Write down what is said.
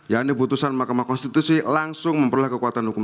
yakni putusan mahkamah konstitusi langsung memperoleh kekuatan hukum